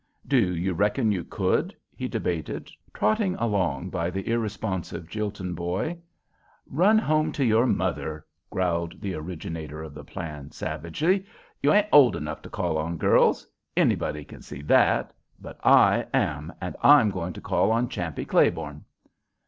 "Do you reckon you could?" he debated, trotting along by the irresponsive Jilton boy. "Run home to your mother," growled the originator of the plan, savagely. "You ain't old enough to call on girls; anybody can see that; but I am, and I'm going to call on Champe Claiborne."